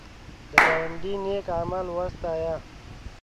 د ګاونډي نېک عمل وستایه